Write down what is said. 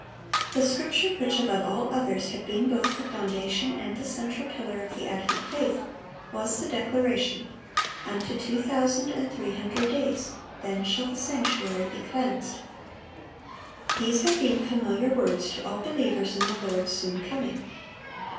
[Illustration: Chapter header.] The scripture which above all others had been both the foundation and the central pillar of the advent faith, was the declaration, "Unto two thousand and three hundred days; then shall the sanctuary be cleansed."(667) These had been familiar words to all believers in the Lord's soon coming.